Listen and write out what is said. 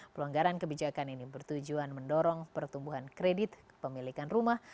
pelonggaran kebijakan ini bertujuan mendorong pertumbuhan kredit kepemilikan rumah